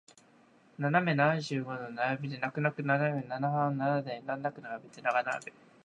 斜め七十七度の並びで泣く泣くいななくナナハン七台難なく並べて長眺め